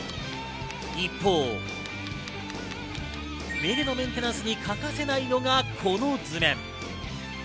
一方、目でのメンテナンスに欠かせないのが、この図面。